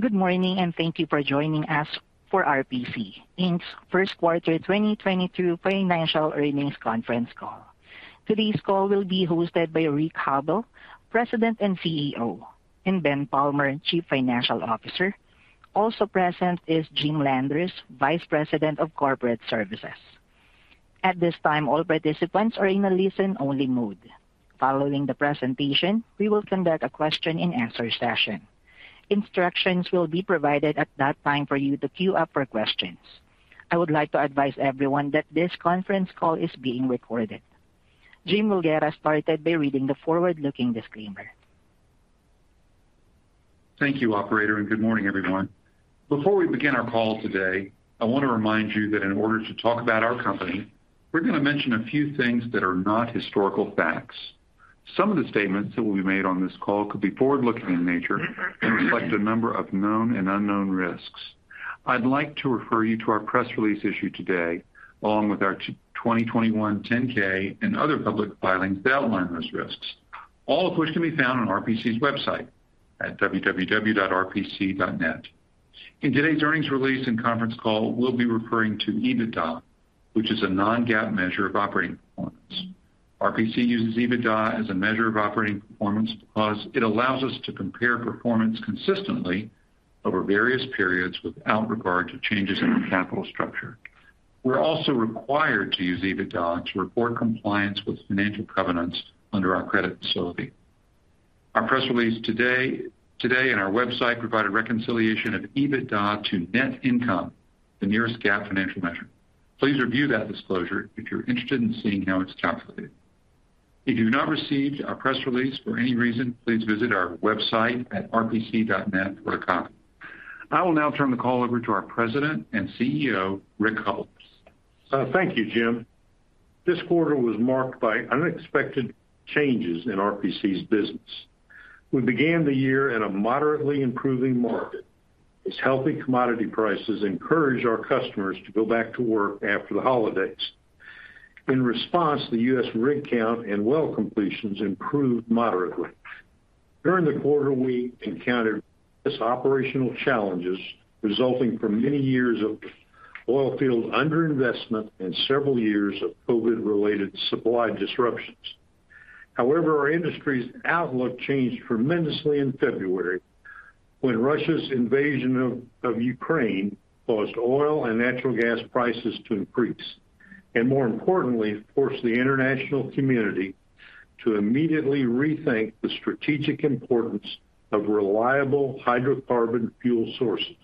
Good morning, and thank you for joining us for RPC Inc.'s First Quarter 2022 Financial Earnings Conference Call. Today's call will be hosted by Rick Hubbell, President and CEO, and Ben Palmer, Chief Financial Officer. Also present is Jim Landers, Vice President of Corporate Services. At this time, all participants are in a listen-only mode. Following the presentation, we will conduct a question-and-answer session. Instructions will be provided at that time for you to queue up for questions. I would like to advise everyone that this conference call is being recorded. Jim will get us started by reading the forward-looking disclaimer. Thank you, operator, and good morning, everyone. Before we begin our call today, I want to remind you that in order to talk about our company, we're going to mention a few things that are not historical facts. Some of the statements that will be made on this call could be forward-looking in nature, and reflect a number of known and unknown risks. I'd like to refer you to our press release issued today, along with our 2021 10-K and other public filings that outline those risks, all of which can be found on RPC's website at www.rpc.net. In today's earnings release and conference call, we'll be referring to EBITDA, which is a non-GAAP measure of operating performance. RPC uses EBITDA as a measure of operating performance, because it allows us to compare performance consistently over various periods without regard to changes in our capital structure. We're also required to use EBITDA to report compliance with financial covenants under our credit facility. Our press release today and on our website provides a reconciliation of EBITDA to net income, the nearest GAAP financial measure. Please review that disclosure if you're interested in seeing how it's calculated. If you've not received our press release for any reason, please visit our website at rpc.net for a copy. I will now turn the call over to our President and CEO, Rick Hubbell. Thank you, Jim. This quarter was marked by unexpected changes in RPC's business. We began the year in a moderately improving market, as healthy commodity prices encouraged our customers to go back to work after the holidays. In response, the U.S. rig count and well completions improved moderately. During the quarter, we encountered operational challenges resulting from many years of oil field underinvestment, and several years of COVID-related supply disruptions. However, our industry's outlook changed tremendously in February, when Russia's invasion of Ukraine caused oil and natural gas prices to increase and more importantly, forced the international community to immediately rethink the strategic importance of reliable hydrocarbon fuel sources.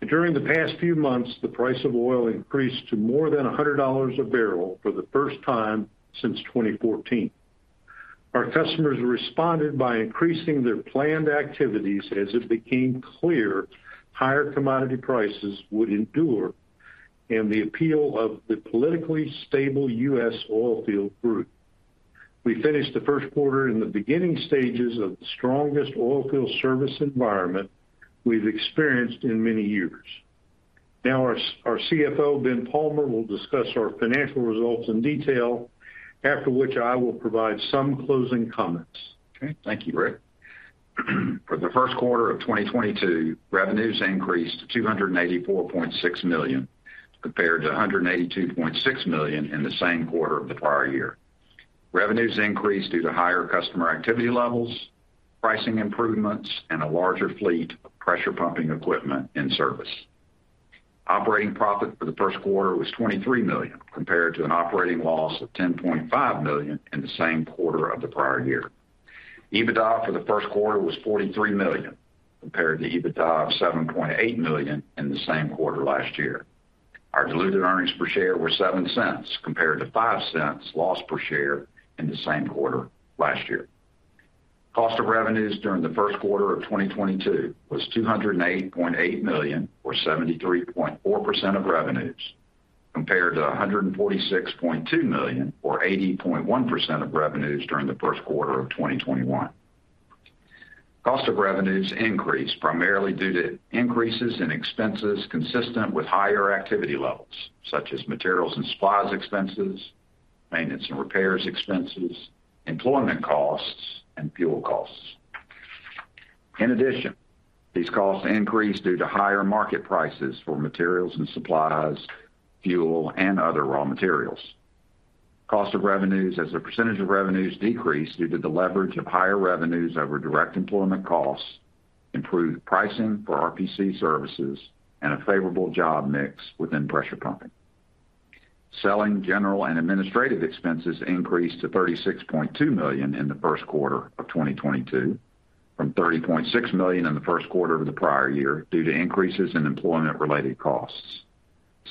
During the past few months, the price of oil increased to more than $100 a barrel for the first time since 2014. Our customers responded by increasing their planned activities, as it became clear higher commodity prices would endure and the appeal of the politically stable U.S. oilfield grew. We finished the first quarter in the beginning stages of the strongest oilfield service environment we've experienced in many years. Now, our CFO, Ben Palmer will discuss our financial results in detail, after which I will provide some closing comments. Okay. Thank you, Rick. For the first quarter of 2022, revenues increased to $284.6 million, compared to $182.6 million in the same quarter of the prior year. Revenues increased due to higher customer activity levels, pricing improvements, and a larger fleet of pressure pumping equipment in service. Operating profit for the first quarter was $23 million, compared to an operating loss of $10.5 million in the same quarter of the prior year. EBITDA for the first quarter was $43 million, compared to EBITDA of $7.8 million in the same quarter last year. Our diluted earnings per share were $0.07, compared to $0.05 loss per share in the same quarter last year. Cost of revenues during the first quarter of 2022 was $208.8 million or 73.4% of revenues, compared to $146.2 million or 80.1% of revenues during the first quarter of 2021. Cost of revenues increased primarily due to increases in expenses consistent with higher activity levels, such as materials and supplies expenses, maintenance and repairs expenses, employment costs, and fuel costs. In addition, these costs increased due to higher market prices for materials and supplies, fuel, and other raw materials. Cost of revenues as a percentage of revenues decreased due to the leverage of higher revenues over direct employment costs, improved pricing for RPC services, and a favorable job mix within pressure pumping. Selling, general, and administrative expenses increased to $36.2 million in the first quarter of 2022, from $30.6 million in the first quarter of the prior year, due to increases in employment-related costs.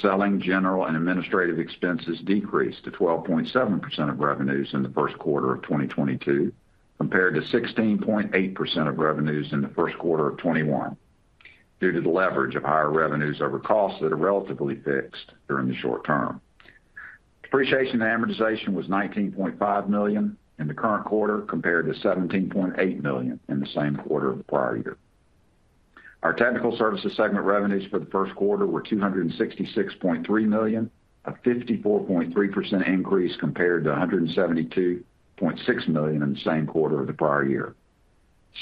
Selling, general, and administrative expenses decreased to 12.7% of revenues in the first quarter of 202, compared to 16.8% of revenues in the first quarter of 2021, due to the leverage of higher revenues over costs that are relatively fixed during the short term. Depreciation and amortization was $19.5 million in the current quarter, compared to $17.8 million in the same quarter of the prior year. Our technical services segment revenues for the first quarter were $266.3 million, a 54.3% increase compared to $172.6 million in the same quarter of the prior year.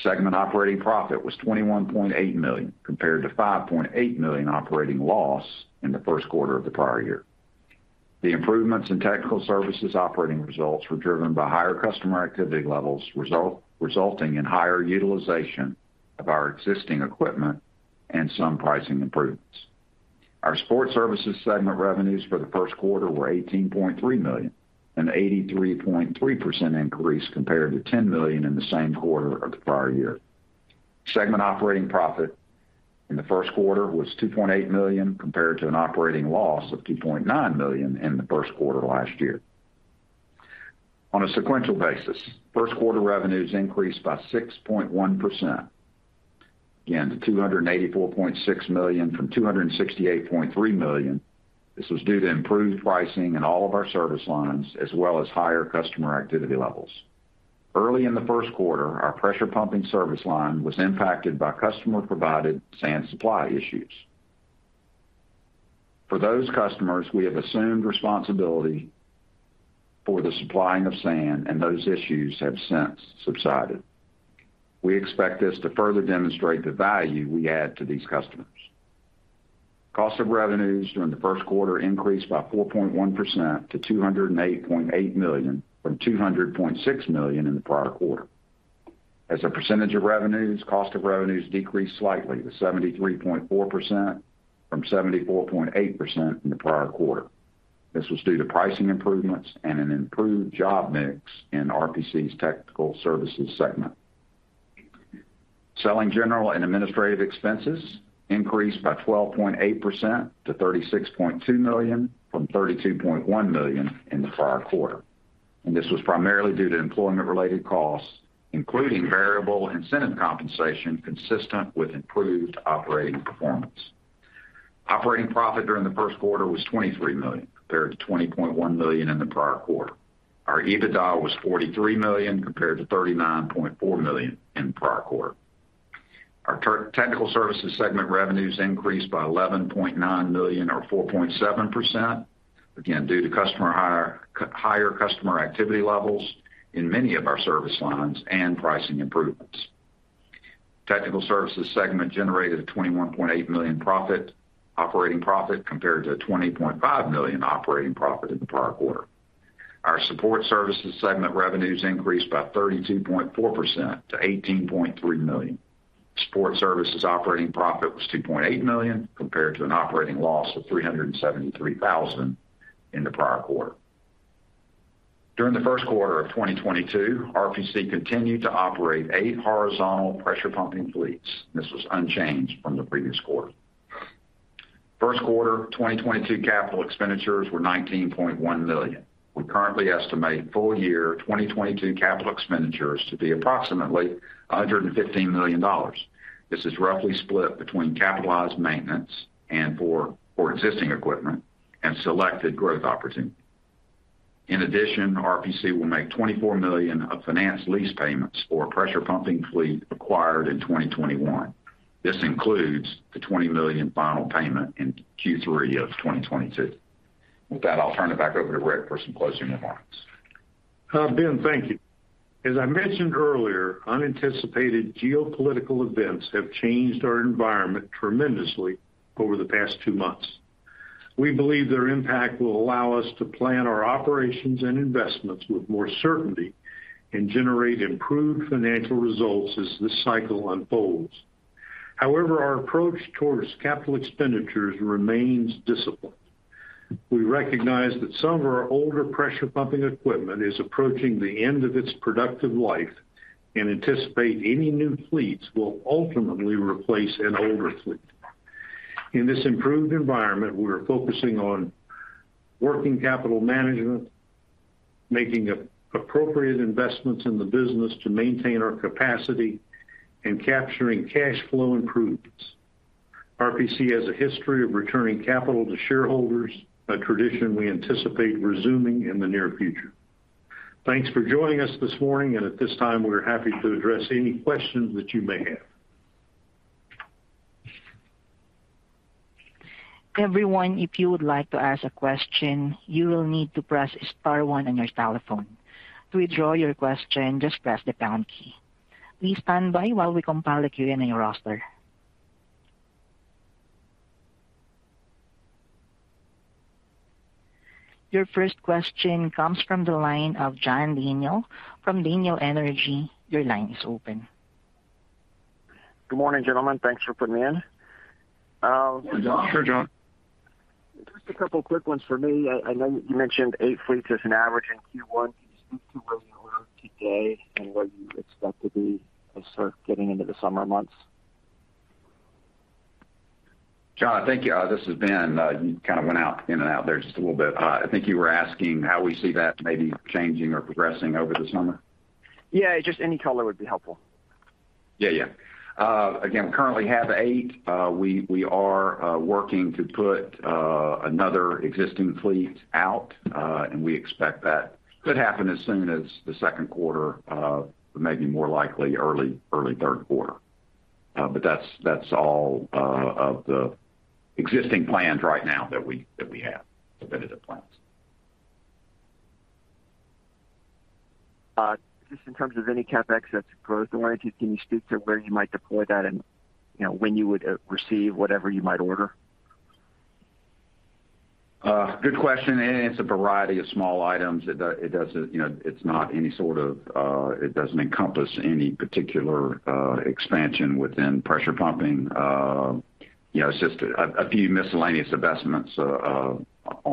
Segment operating profit was $21.8 million compared to $5.8 million operating loss in the first quarter of the prior year. The improvements in technical services operating results were driven by higher customer activity levels, resulting in higher utilization of our existing equipment and some pricing improvements. Our support services segment revenues for the first quarter were $18.3 million, an 83.3% increase compared to $10 million in the same quarter of the prior year. Segment operating profit in the first quarter was $2.8 million compared to an operating loss of $2.9 million in the first quarter last year. On a sequential basis, first quarter revenues increased by 6.1%, again to $284.6 million from $268.3 million. This was due to improved pricing in all of our service lines, as well as higher customer activity levels. Early in the first quarter, our pressure pumping service line was impacted by customer-provided sand supply issues. For those customers, we have assumed responsibility for the supplying of sand, and those issues have since subsided. We expect this to further demonstrate the value we add to these customers. Cost of revenues during the first quarter increased by 4.1% to $208.8 million from $200.6 million in the prior quarter. As a percentage of revenues, cost of revenues decreased slightly to 73.4% from 74.8% in the prior quarter. This was due to pricing improvements and an improved job mix in RPC's technical services segment. Selling, general, and administrative expenses increased by 12.8% to $36.2 million from $32.1 million in the prior quarter. This was primarily due to employment-related costs, including variable incentive compensation consistent with improved operating performance. Operating profit during the first quarter was $23 million compared to $20.1 million in the prior quarter. Our EBITDA was $43 million compared to $39.4 million in prior quarter. Our technical services segment revenues increased by $11.9 million or 4.7%, again due to customer higher higher customer activity levels in many of our service lines and pricing improvements. Technical services segment generated a $21.8 million operating profit compared to a $20.5 million operating profit in the prior quarter. Our support services segment revenues increased by 32.4% to $18.3 million. Support services operating profit was $2.8 million compared to an operating loss of $373,000 in the prior quarter. During the first quarter of 2022, RPC continued to operate eight horizontal pressure pumping fleets. This was unchanged from the previous quarter. First quarter, 2022 capital expenditures were $19.1 million. We currently estimate full year 2022 capital expenditures to be approximately $115 million. This is roughly split between capitalized maintenance and for existing equipment and selected growth opportunities. In addition, RPC will make $24 million of finance lease payments for pressure pumping fleet acquired in 2021. This includes the $20 million final payment in Q3 of 2022. With that, I'll turn it back over to Rick for some closing remarks. Hi, Ben, thank you. As I mentioned earlier, unanticipated geopolitical events have changed our environment tremendously over the past two months. We believe their impact will allow us to plan our operations and investments with more certainty, and generate improved financial results as this cycle unfolds. However, our approach towards capital expenditures remains disciplined. We recognize that some of our older pressure pumping equipment is approaching the end of its productive life, and anticipate any new fleets will ultimately replace an older fleet. In this improved environment, we are focusing on working capital management, making appropriate investments in the business to maintain our capacity and capturing cash flow improvements. RPC has a history of returning capital to shareholders, a tradition we anticipate resuming in the near future. Thanks for joining us this morning, and at this time, we're happy to address any questions that you may have. Everyone, if you would like to ask a question, you will need to press star, one on your telephone. To withdraw your question, just press the pound key. Please stand by while we compile a queue in your roster. Your first question comes from the line of John Daniel from Daniel Energy. Your line is open. Good morning, gentlemen. Thanks for putting me in. Sure, John. Just a couple quick ones from me. I know you mentioned 8 fleets as an average in Q1. Can you speak to where you are today, and where you expect to be as sort of getting into the summer months? John, thank you. This is Ben. You kind of went out in and out there just a little bit. I think you were asking how we see that maybe changing or progressing over the summer. Yeah, just any color would be helpful. Yeah. Again, we currently have eight. We are working to put another existing fleet out, and we expect that could happen as soon as the second quarter, but maybe more likely early third quarter. That's all of the existing plans right now that we have, definitive plans. Just in terms of any CapEx that's growth-oriented, can you speak to where you might deploy that and you know, when you would receive whatever you might order? Good question. It is a variety of small items. It doesn't encompass any particular expansion within pressure pumping. You know, it's just a few miscellaneous investments on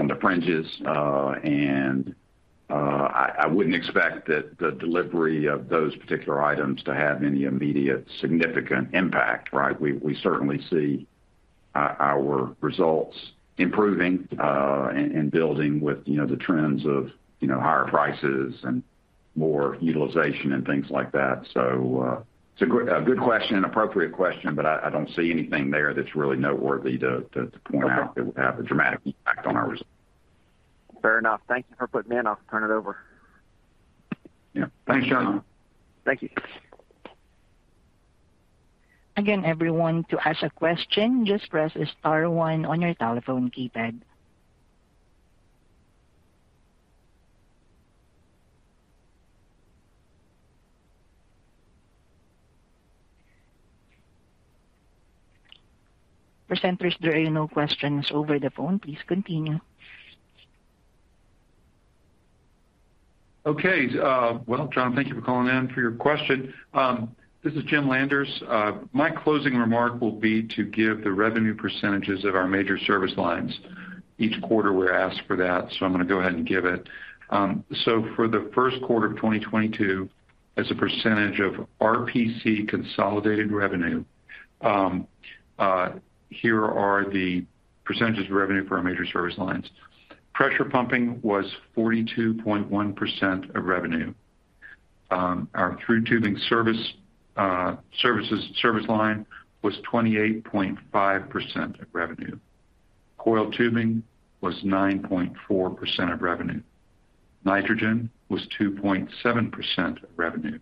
the fringes. I wouldn't expect that the delivery of those particular items to have any immediate significant impact, right? We certainly see our results improving and building with, you know, the trends of, you know, higher prices, and more utilization and things like that. It's a good question, an appropriate question, but I don't see anything there that's really noteworthy to point out that would have a dramatic impact on our results. Fair enough. Thank you for putting me on. I'll turn it over. Yeah. Thanks, John. Thank you. Again, everyone, to ask a question, just press star, one on your telephone keypad. Presenters, there are no questions over the phone. Please continue. Okay. Well, John, thank you for calling in for your question. This is Jim Landers. My closing remark will be to give the revenue percentages of our major service lines. Each quarter, we're asked for that, so I'm going to go ahead and give it. For the first quarter of 2022, as a percentage of RPC consolidated revenue, here are the percentages of revenue for our major service lines. Pressure pumping was 42.1% of revenue. Our [Thru] tubing service line was 28.5% of revenue. Coiled tubing was 9.4% of revenue. Nitrogen was 2.7% of revenue.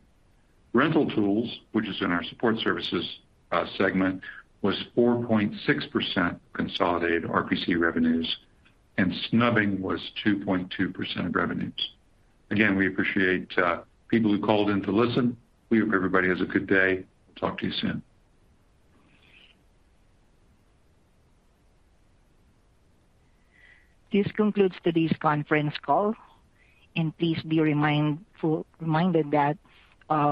Rental tools, which is in our support services segment, was 4.6% consolidated RPC revenues. Snubbing was 2.2% of revenues. Again, we appreciate people who called in to listen. We hope everybody has a good day. Talk to you soon. This concludes today's conference call. Please be reminded that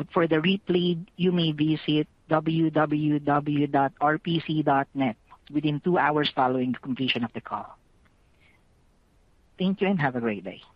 for the replay, you may visit www.rpc.net within two hours following the completion of the call. Thank you, and have a great day.